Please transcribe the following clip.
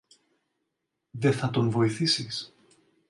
Δε θα τον βοηθήσεις;